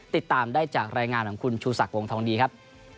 ติดตามได้จากรายงานของคุณชูศักดิ์วงทองดีครับ